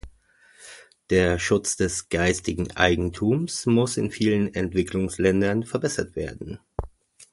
Der Schutz des geistigen Eigentums muss in vielen Entwicklungsländern verbessert werden.